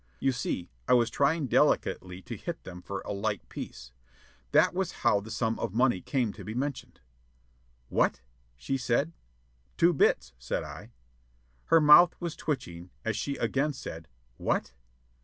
You see, I was trying delicately to hit them for a "light piece." That was how the sum of money came to be mentioned. "What?" she said. "Two bits," said I. Her mouth was twitching as she again said, "What?"